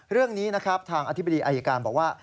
เรื่องนี้นะครับทางอธิบดีอายการบอกว่า